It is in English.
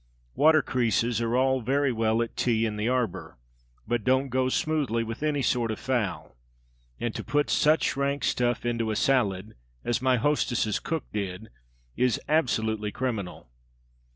"Water creases" are all very well at tea in the arbour, but don't go smoothly with any sort of fowl; and to put such rank stuff into a salad as my hostess's cook did is absolutely criminal.